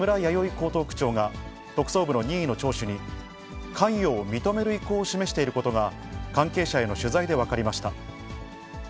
江東区長が特捜部の任意の聴取に、関与を認める意向を示していることが、関係者への取材で分かりました。